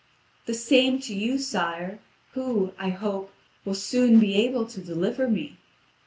"The same to you, sire, who, I hope, will soon be able to deliver me."